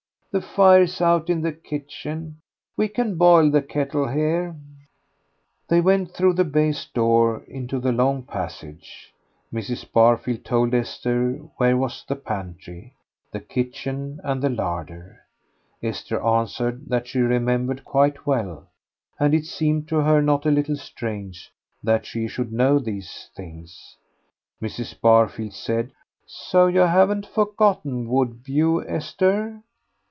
The fire's out in the kitchen. We can boil the kettle here." They went through the baize door into the long passage. Mrs. Barfield told Esther where was the pantry, the kitchen, and the larder. Esther answered that she remembered quite well, and it seemed to her not a little strange that she should know these things. Mrs. Barfield said "So you haven't forgotten Woodview, Esther?"